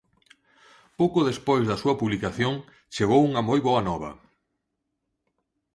Pouco despois da súa publicación, chegou unha moi boa nova.